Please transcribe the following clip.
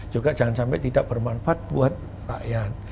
juga jangan sampai tidak bermanfaat buat rakyat